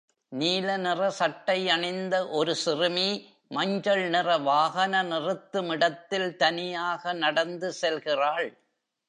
நீல நிற சட்டை அணிந்த ஒரு சிறுமி மஞ்சள் நிற வாகன நிறுத்துமிடத்தில் தனியாக நடந்து செல்கிறாள்.